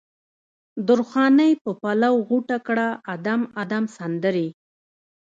درخانۍ په پلو غوټه کړه ادم، ادم سندرې